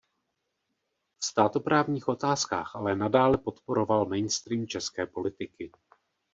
V státoprávních otázkách ale nadále podporoval mainstream české politiky.